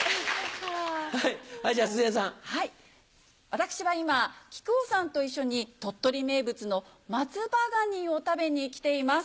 私は今木久扇さんと一緒に鳥取名物の松葉ガニを食べに来ています。